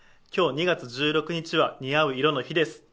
今日２月１６日は、似合う色の日です。